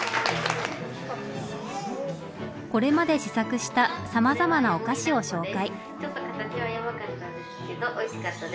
これまで試作したさまざまなお菓子を紹介。